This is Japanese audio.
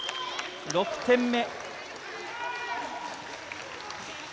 ６点目。